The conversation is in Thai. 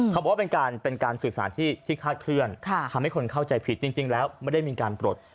เขาบอกว่าเป็นการสื่อสารที่คาดเคลื่อนทำให้คนเข้าใจผิดจริงแล้วไม่ได้มีการปลด